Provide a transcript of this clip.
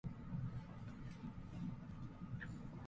石川県内灘町